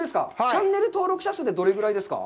チャンネル登録者数はどれぐらいですか。